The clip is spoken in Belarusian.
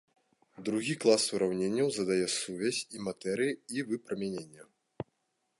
Другі клас ураўненняў задае сувязь і матэрыі і выпрамянення.